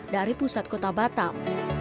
dari pusat kota batam